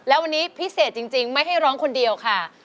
แล้ววันนี้พิเศษจริงไม่ให้ร้องคนเดียวค่ะ